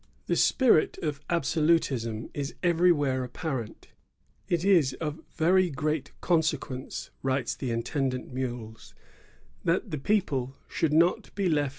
* The spirit of absolutism is everywrhere apparent. "It is of very great consequence," writes the intend ant Meules, "that the people should not be left at 1 £dit8 et Ordonnances, ii.